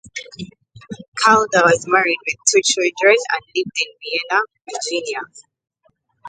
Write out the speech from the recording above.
Calder was married with two children and lived in Vienna, Virginia.